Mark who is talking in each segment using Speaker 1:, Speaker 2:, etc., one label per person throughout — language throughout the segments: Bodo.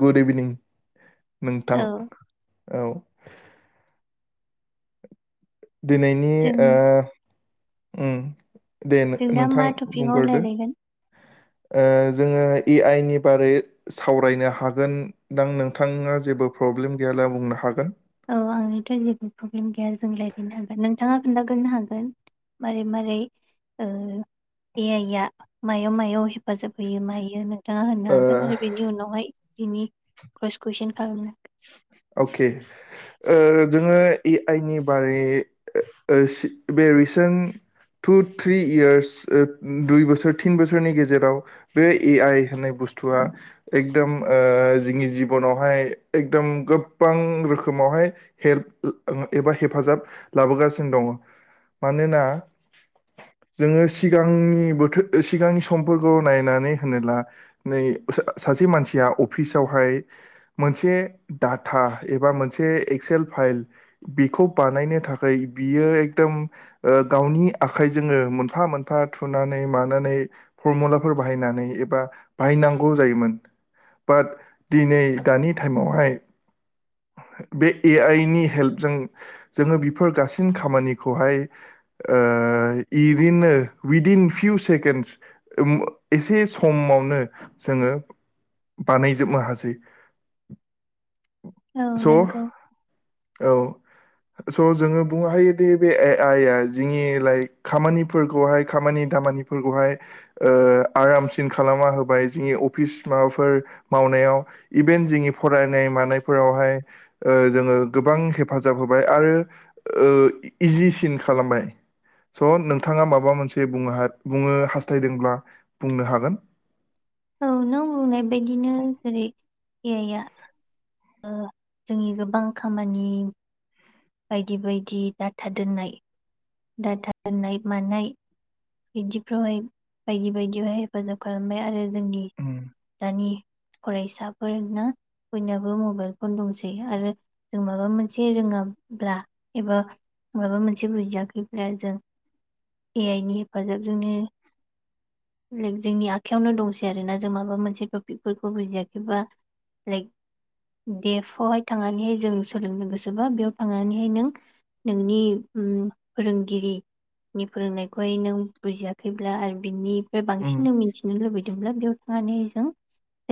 Speaker 1: गुड इबिनिं नोंथां
Speaker 2: औ
Speaker 1: औ दिनैनि
Speaker 2: जों
Speaker 1: ओ उम दे
Speaker 2: जों दा मा
Speaker 1: नो-नोंथां
Speaker 2: टपिकआव
Speaker 1: बुंग्रोदो
Speaker 2: रायलायगोन
Speaker 1: ओ जोङो ए आइ नि बारगै सावरायनो हागोन दां नोंथाङा जेबो प्रब्लेम गैयाला बुंनो हागोन।
Speaker 2: औ आंथ' जेबो प्रब्लेम गैया जों रायलायनो हागोन नों नोंथांङा खोन्थाग्रोनो हागोन मारै मारै ओ ए आइआ मायाव मायाव हेफाजाब होयो मायो दा होननो
Speaker 1: ओ
Speaker 2: हागोन आरो ओरैबादि उनावहाय बिनि फार्स कुइसन खालामनो हागोन।
Speaker 1: अके ओ जोङो ए आइ नि बारै ओ बे रिसेन्ट टु थ्रि यार्स ओ दुइ बोसोर थिन बोसोरनि गेजेराव बे ए आइ होननाय बुस्थुआ एकदम ओ जोंनि जिबनावहाय एकदम गोबां रोखोमावहाय हेल्प एबा हेफाजाब लाबोगासिनो दङ मानोना जोङो सिगांनि बोथोर सिगांनि समफोरखौ नायनानै होनोब्ला नै सासे मानसिया अफिसावहाय मोनसे डाटा एबा मोनसे एक्सेल फाइल बेखौ बानायनो थाखाय बियो एकदम ओ गावनि आखाइजोंनो मोनफा मोनफा थुनानै मानानै फरमुलाफोर बाहायनानै एबा बाहायनांगौ जायोमोन बाट दिनै दानि टाइमाव हाय बे ए आइ नि हेल्पजों जोङो बेफोर गासिन खामानिखौहाय ओ इरिनो उइदिन फिउ सेकेन्डस एसे समावनो जोङो बानायजोबनो हासै।
Speaker 2: औ
Speaker 1: स'
Speaker 2: नंगौ
Speaker 1: औ स' जोङो बुंनो हायोदि बे ए आइ जोंनि लाइक खामानिफोरखौहाय खामानि दामानिफोरखौहाय ओ आरामसिन खालामना होबाय जोंनि अफिस माबाफोर मावनायाव इभेन जोंनि फराय नाय मानायफोरावहाय ओ जोङो गोबां हेफाजाब होबाय आरो ओ इजिसिन खालामबाय स' नोंथाङा माबा मोनसे बुंङो बुंङो हास्थायदोंब्ला बुंनो हागोन।
Speaker 2: औ नों बुंनाय बायदिनो जेरै ए आइया ओ जोंनि गोबां खामानि बायदि बायदि डाटा दोननाय दाथा दोनाय मानाय बिदिफ्रावहाय बायदि बायदियावहाय हेफाजाब खालामबाय आरो जोंनि
Speaker 1: उम
Speaker 2: दानि फरायसाफोर ना बयनाबो मबाइल फन दंसै आरो जों माबा मोनसे रोङाब्ला एबा माबा मोनसे बुजियाखैब्ला जों ए आइनि हेफाजाबजोंनो लाइक जोंनि आखायावनो दंसै आरोना जों माबा मोनसे टपिकफोरखौ बुजियाखैबा लाइक बे एफवहाय थांनानैहाय जों सोलोंनो गोसोबा बेयाव थांनानैहाय नों नोंनि उम फोरोंगिरिनि फोरोंनायखौहाय नों बुजियाखैब्ला आरो बिनि ओमफ्राय
Speaker 1: उम
Speaker 2: बांसिननो मिथिनो लुबैदोंब्ला बेयाव थांनानै जों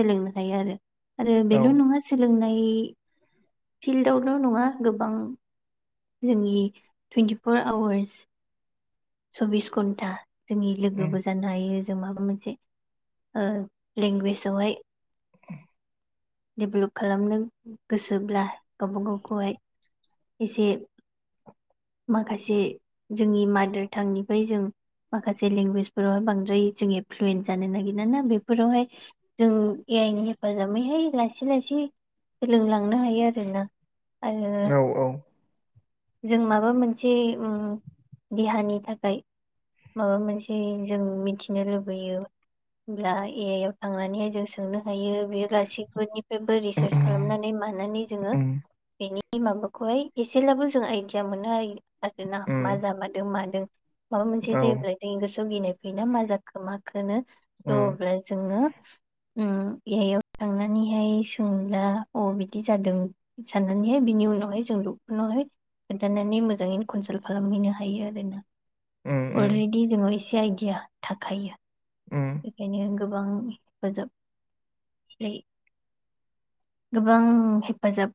Speaker 2: सोलोंनो हायो आरो आरो
Speaker 1: औ
Speaker 2: बेल' नङा सोलोंनाय फिल्डआवल' नङा गोबां जोंनि टुइन्टिफर आवार्स चबिस घन्टा जोंनि
Speaker 1: उम
Speaker 2: लोगोबो जानो हायो। जों माबा मोनसे ओ लेंगुवेजयावहाय देबलब खालामनो गोसोब्ला गावबा गावखौहाय एसे माखासे जोंनि मादार बिथां निफ्राय जों माखासे लेंगुवेजफोरावहाय बांद्राय जों इनफ्लुयेन्स जानो नागिर ना बेफोरावहाय जों ए आइनि हेफाजाबैहाय लासै लासै सोलोंलांनो हायो आरोना आरो
Speaker 1: औ औ
Speaker 2: जों माबा मोनसे उम देहानि थाखाय माबा मोनसे जों मिथिनो लुबैयो होमब्ला ए आइ आव थांनानैहाय जों सोंनो हायो। बेयो गासैबोनिफ्रायबो
Speaker 1: उम
Speaker 2: रिसार्च खालामनानै मानानै जोङो
Speaker 1: उम
Speaker 2: बेनि माबाखौहाय एसेब्लाबो जों आइडिया मोनो आरोना मा जामारदों मादो माबा मोनसे
Speaker 1: औ
Speaker 2: जायोब्ला जोंनि गोस [unintelligible] फैयो ना मा जाखो माखोनो? थ'
Speaker 1: उम
Speaker 2: अब्ला जोङो। उम ए आइ आव थांनानैहाय सोंला अ बिदि जादों साननानैहाय बिनि उनावहाय जों दक्टरनावहाय खोन्थानानै मोजाङै कनसाल्ट खालामहैनो हायो आरोना?
Speaker 1: उम उम
Speaker 2: अलरेडि जोङो इसे आइदिया थाखायो।
Speaker 1: उम
Speaker 2: बेखायनो गोबां हेफाजाब यै गोबां हेफाजाब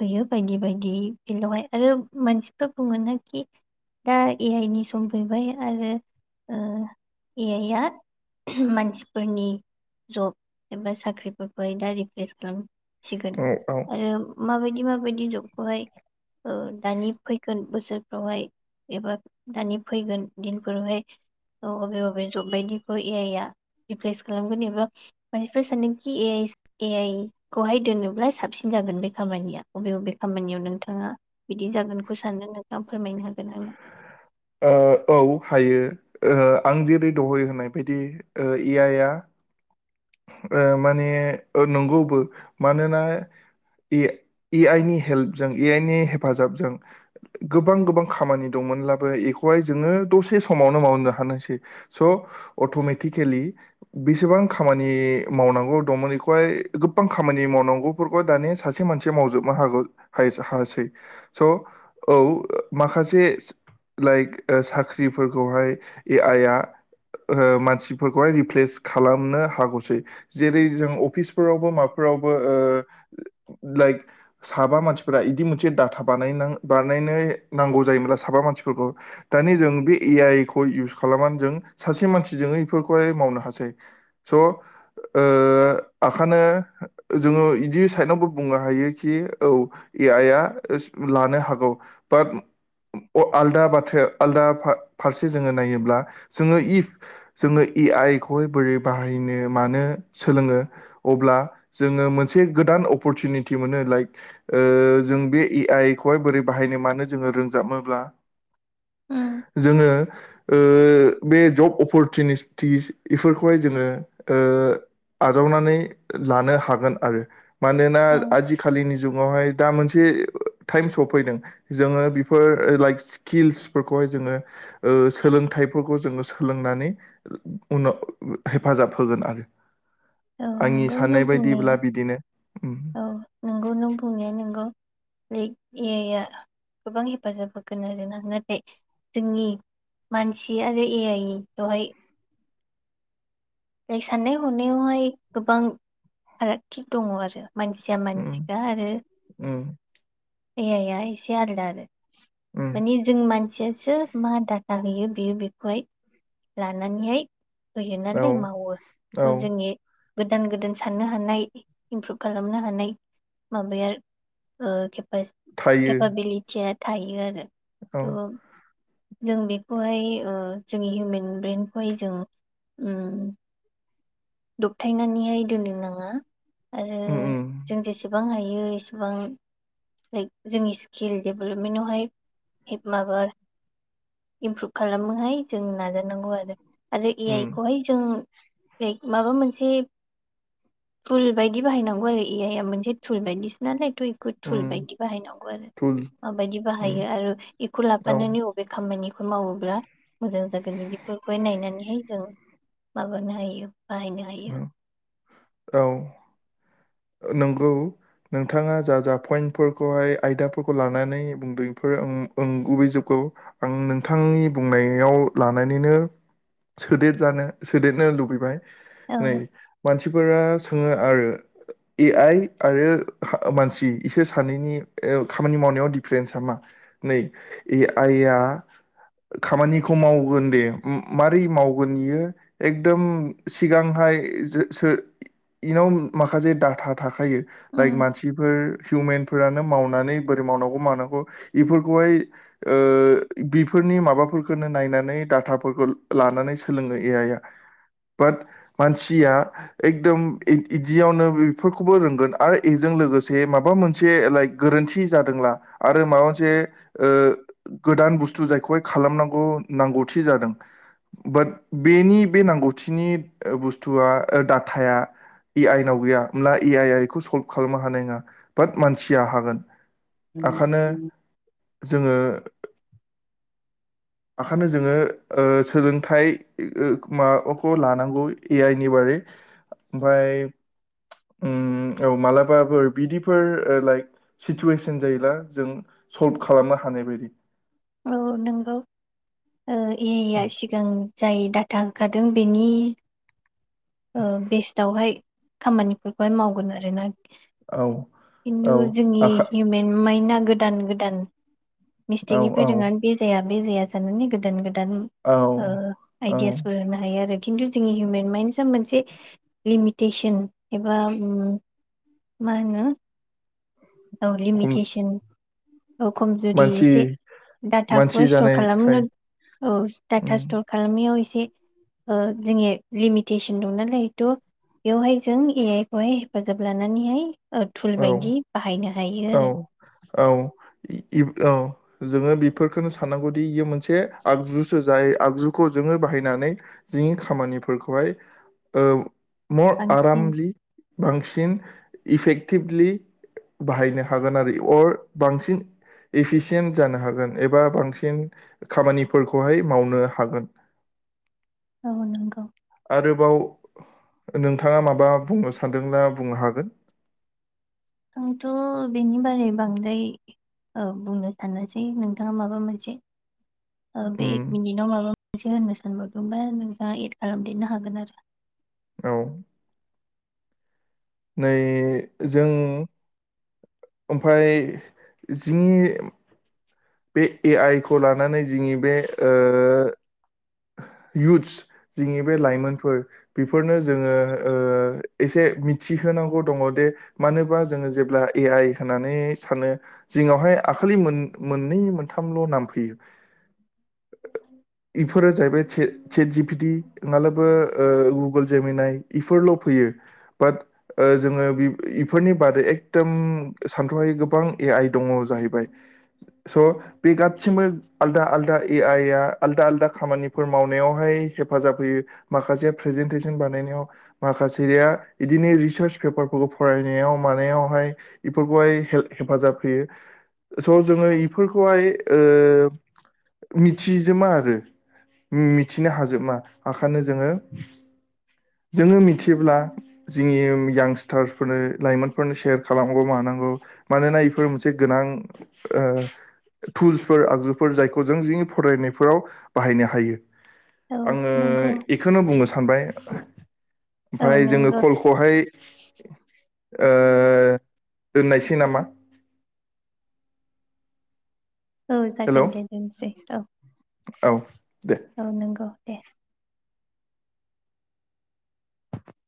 Speaker 2: होयो बायदि बायदि फिल्डआवहाय आरो मानसिफ्रा बुङोनाखि दा ए आइ नि सम फैबाय आरो ओ ए आइ आ मानसिफोरनि जब एबा साख्रिफोरखौहाय दा रिफ्रेस खालाम सिगोन
Speaker 1: औ औ
Speaker 2: आरो माबायदि बि माबायदि जबखौहाय ओ दानि फैगोन बोसोरफ्रावहाय एबा दानि फैगोन दिनफोरावहाय बबे बबे जब बायदिखौ ए आइ आ रिफ्रेस खालामगोन एबा मानसिफ्रा सानदोंखि ए आइ ए आइ खौहाय दोनोब्ला साबसिन जागोन बे खामानिया अबे बबे खामानियाव नोंथाङा बिदि जागोनखौ सान नोंथाङा फोरमायनो हागोन आंनो।
Speaker 1: ओ औ हायो ओ आं जेरै दहाय होनाय बायदि ए आइ आ ओ माने ओ नंगौबो मानोना ए ए आइ नि हेल्पजों ए आइ नि हेफाजाबजों गोबां गोबां खामानि दंमोनब्लाबो बेखौहाय जोङो दसे समावनो मावनो हानायसै स अट'मेटिकेलि बेसेबां खा खानि मावनांगौ दंमोन एखौहाय गोबां खामानि मावनांगौफोरखौहाय दानिया सासे मानसिया मावजोबनो हागौ हायेस हासै स' औ माखासे लाइक ओ साख्रिफोरखौहाय ए आइआ ओ मानसिफोरखौहाय रिप्लेस खालामनो हागौसै जेरै जों अफिसफोरावबो माबाफोरावबो ओ लाइक साबा मानसिफोरा इदि मोनसे दाथा बानायनां बानायनाय नांगौ जायोमोना साबा मानसिफोरखौ दानि जों बे ए आइ खौ इउस खालामनानै जों सासे मानसिजों इफोरखौहाय मावनो हासै। स ओ आखानो जोङो बिदि साइडावबो बुंनो हायोखि औ ए आइ आ लानो हागौ बाद अ आलदा बाथ्राया आलदा फा-फारसे जोङो नायोब्ला जोङो इफ जोङो ए आइ खौहाय बोरै बाहायनो मानो सोलोङो अब्ला जोङो मोनसे गोदान अफरटिउनिटि मोनो लाइक ओ जों बे ए आइ खौहाय बोरै बाहायनो मानो जोङो रोंजाबाब्ला
Speaker 2: आंनो
Speaker 1: जोङो ओ बे जब अपरटिसनिसटिस इफोरखौ खौहाय जोङो ओ आजावनानै लानो हागोन आरो मानोना
Speaker 2: औ
Speaker 1: आजिखालिनि जुगावहाय दा मोनसे टाइम सफैदों जोङो बेफोर लाइक स्किल्सफोरखौहाय जोङो ओ सोलोंथाइफोरखौ जोङो सोलोंनानै उनाव हेफाजाब होगोन आरो
Speaker 2: औ
Speaker 1: आंनि
Speaker 2: नोंगौ नों
Speaker 1: साननाय
Speaker 2: बुंनाया
Speaker 1: बायदिब्ला बिदिनो उम
Speaker 2: औ नोंगौनो बुंनाया नोंगौ। नै ए आइ आ गोबां हेफाजाब होगोन आरोना नाथाय जोंनि मानसि आरो ए आइ खौहाय बे साननाय हनायावहाय गोबां फारागथि दङ आरो मानसिया
Speaker 1: उम
Speaker 2: मानसिखा आरो
Speaker 1: उम
Speaker 2: ए आइ आ इसे आलदा आरो
Speaker 1: उम
Speaker 2: माने जों मानसियासो मा दा जाहैयो बेयो बेखौहाय लानानैहाय होयो
Speaker 1: औ
Speaker 2: नालाय मावो
Speaker 1: औ
Speaker 2: थ जोंनि गोदान गोदान साननो हानाय इमप्रुभ खालामनो हानाय माबाया ओ खेब [unintelligible]
Speaker 1: थायो
Speaker 2: केपाबिलिथिआ थायो आरो
Speaker 1: औ
Speaker 2: थ जों बेखौहाय जोंनि हिउमेन ब्रेनखौहाय जों दबथायनानैहाय दोननो नाङा। आरो
Speaker 1: उम उम
Speaker 2: जों जेसेबां एसेबां हायो जेसेबां लाख जोंनि आरो ए
Speaker 1: उम
Speaker 2: आइ खौहाय जों लायख माबा मोनसे फुल बायदि बाहायनांगौ आरो ए आइआ मोनसे फुल बायदिसोनालाय। थ इखौ
Speaker 1: उम
Speaker 2: थुल बायदि बाहायनांगौ आरो
Speaker 1: थुल
Speaker 2: माबायदि
Speaker 1: उम
Speaker 2: बाहायो आरो इखौ
Speaker 1: औ
Speaker 2: लाफानानै अबे खामानिखौ बेखौ मावोब्ला मोजां जागोन इदिफोरखौहाय नायनानैहाय जों माबानो हायो। बाहायनो हायो।
Speaker 1: औ नंगौ नोंथाङा जा जा पइन्टफोरखौहाय आयदाफोरखौ लानानै बुंदों बेफोरं अंगुबुबै जोबगौ आं नोंथांनि बुंनायाव लानानैनो सोदेरजानो सोदेरनो लुबैबाय। नै
Speaker 2: औ
Speaker 1: मानसि मानसिफोरा सोङो आरो ए आइ आरो मानसि इसोर सानैनि खामानि मावनायाव दिडिफारेन्सा मा नै ए आइ आ खामानिखौ मावगोन दे मारै मावगोन बियो एकदम सिगांहाय इनाव माखासे था था थायो लाइक मानसिफोर हिउमेनफोरानो मावनानै बोरै मावनांगौ मावानांगौ बेफोरखौहाय बिफोरनि माबाफोरखौनो नायनानै डाटाफोरखौ लानानै सोलोङो ए आइया बाट मानसिया एकदम बिदियावनो बेफोरखौबो रोंगोन आरो बेजों लोगोसे माबा मोनसे लाइक गोरोन्थि जादोंब्ला आरो माबा मोनसे गोदान बुस्थु जायखौहाय खालामनांगौ नांगौथि जादों बाट बेनि बे नांगौथिनि बुस्थुआ डाटाया ए आइनाव गैया। होनब्ला ए आइ बेखौ सल्भ खालामनो हानाय नङा बाट मानसिया हागोन।
Speaker 2: उम
Speaker 1: ओंखायनो जोङो ओंखायनो जोङो सोलोंथाइ माबेखौ लानांगौ ए आइ नि बारै ओमफफ्राय उम औ माबलाबाफोर बिब्दिफोर लायख सिथुयेसोन जायोला जों सलब खालामनो हानायबादि ।
Speaker 2: औ नंगौ ए आइ आर सिगां जाय डाटा ओंखारदों बेनि बेस्टावहाय खामानिफोरखौहाय मावगोन आरोना।
Speaker 1: औ
Speaker 2: खिन्थु
Speaker 1: औ
Speaker 2: जोंनि
Speaker 1: आखा
Speaker 2: हिउमेन माइ गोदान गोदान
Speaker 1: औ
Speaker 2: मिस्टेकनिफ्राय
Speaker 1: औ
Speaker 2: रोङानो बे जाया। बे जाया जानानै गोदान गोदान
Speaker 1: औ
Speaker 2: गोदान आइदियासफोर होनो हायो आरो खन्थु जोंनि हिउमेन माइन मोनसे लिमिटेसन एबा मा होनो औ
Speaker 1: हम
Speaker 2: लिमिटेसन औ खमजुरि
Speaker 1: मानसि
Speaker 2: एसे डाटाखौबो
Speaker 1: मानसि
Speaker 2: स्टर
Speaker 1: जानायखाय
Speaker 2: खालामनो औ डाटा
Speaker 1: उम,
Speaker 2: स्टर खालामैयाव एसे जोंनिया लिमिटेसन दंनाालायथ बेवहाय जों ए आइ खौहाय हेफाजाब लानानैहाय ओ थुल
Speaker 1: औ
Speaker 2: बायदि बाहायनो हायो
Speaker 1: औ
Speaker 2: आरो
Speaker 1: औ इ औ जोङो बिफोरखोनो साननांगौदि इयो मोनसे आगजुसो जाय आगजुखौ जोङो बाहायनानै जिंनि खामानिफोरखौहाय ओ [unintelligible]
Speaker 2: बांसिन
Speaker 1: आरामलि बांसिन इफेक्ट टिभलि बाहायनो हागोन आरो अर बांसिन एफिसियेन्ट जानो हागोन एबा बांसिन खामानिफोरखौहाय मावनो हागोन।
Speaker 2: औ नोंगौ
Speaker 1: आरोबाव नोंथाङा माबा बुंनो सानदोंब्ला बुंनो हागोन।
Speaker 2: आंथ' बेनि बारै बांद्राय औ बुंनो साननोसै नोंथाङा माबा मोनसे ओ बे
Speaker 1: उम,
Speaker 2: एक मिनिटाव माबा मोनसे होननो सानबावदोंबा नोंथाङा एद खालामदेरनो हागोन आरो
Speaker 1: औ नै जों ओमफाय जिंनि बे ए आइ खौ लानानै जिंनि ओ बे इउथस जोंनि बे लाइमोनफोर बेफोरनो जोङो ओ एसे मिथिहोनांगौ दङ' दे मानोबा जोङो जेब्ला ए आइ होननानै सानो जोंनावहाय आखलि मोन मोननै मोनथामल' नाम फैयो इफोरो जाहैबाय चे-चेट जिपिटि मालाबा ओ गुगोल जेमोनाय इफोरल' फैयो बाट ओ जोङो इ-इफोरनि बादै एकदम सानथ्रहायै गोबां ए आइ दङ' जाहैबाय। स' बे गासिमबो आलदा आलदा ए आइ आ आलदा आलदा खामानिफोर मावनायावहाय हेफाजाब होयो माखासेया फ्रेजेनटेसन बानायनायाव माखासेया इदिनो रिसार्च पेपारफोरखौ फरायनायाव मानायावहाय इफोरखौहाय हेल्प हेफाजाब होयो स' जोङो इफोरखौहाय ओ मिथिजोमा आरो मिथिनो हाजोमा आखानो जोङो जोङो मिथियोब्ला जिंनि यां स्टार्सफोरनो लाइमोनफोरनो सेयार खालामगौ मानांगौ मानोना इफोर मोनसे गोनां। ओ थुल्सफोर आगजुफोर जायखौ जों जोंनि फरायनायफोराव बाहायनो हायो।
Speaker 2: औ
Speaker 1: आङो
Speaker 2: नंगौ
Speaker 1: इखोनो बुंनो सा सानबाय
Speaker 2: औ
Speaker 1: ओमफाय जोङो
Speaker 2: नंगौ
Speaker 1: खलखौहाय ओ दोननायसै नामा?
Speaker 2: औ
Speaker 1: हेल'
Speaker 2: जागोन दे दोनसै औ
Speaker 1: औ दे
Speaker 2: औ नोंगौ दे